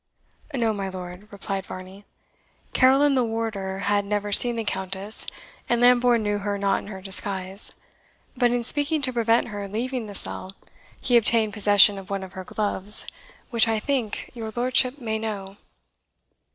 "No, my lord," replied Varney; "Carrol and the Warder had never seen the Countess, and Lambourne knew her not in her disguise. But in seeking to prevent her leaving the cell, he obtained possession of one of her gloves, which, I think, your lordship may know."